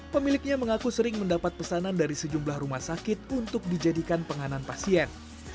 pemiliknya mengaku sering mendapat pesanan dari sejumlah rumah sakit untuk dijadikan penganan pasien